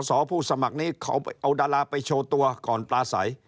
อผู้สมัครนี้เขาเอาดาราไปโชว์ตัวก่อนปลาใส